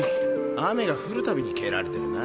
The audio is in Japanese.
雨が降るたびに蹴られてるな